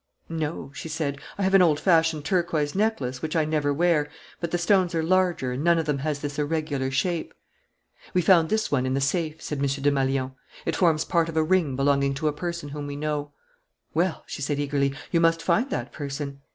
"No," she said. "I have an old fashioned turquoise necklace, which I never wear, but the stones are larger and none of them has this irregular shape." "We found this one in the safe," said M. Desmalions. "It forms part of a ring belonging to a person whom we know." "Well," she said eagerly, "you must find that person."